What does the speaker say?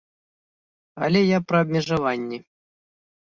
Але я пра абмежаванні.